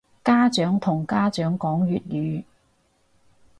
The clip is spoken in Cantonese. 家長同家長講粵語